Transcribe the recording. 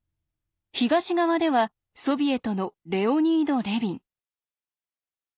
東側ではソビエトのレオニード・レビン。